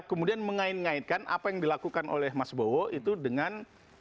kemudian mengait ngaitkan apa yang dilakukan oleh mas bowo itu dengan